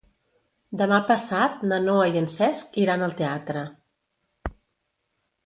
Demà passat na Noa i en Cesc iran al teatre.